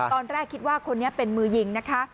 ตอนแรกคิดว่าคนนี้เป็นมือยิงนะคะ